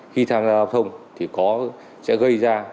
khi tham gia đào tạo thì sẽ gây ra